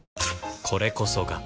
これこそが